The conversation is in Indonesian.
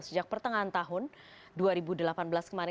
sejak pertengahan tahun dua ribu delapan belas kemarin